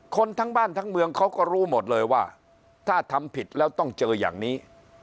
คนทั้งบ้านทั้งเมืองเขาก็รู้หมดเลยว่าถ้าทำผิดแล้วต้องเจออย่างนี้